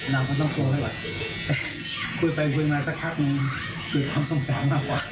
น้องก็ต้องกลัวให้กว่าคุยไปคุยมาสักครั้งคือความสงสารมากว่า